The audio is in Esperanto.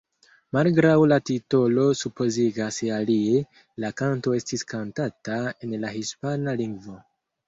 Malgraŭ la titolo supozigas alie, la kanto estis kantata en la hispana lingvo.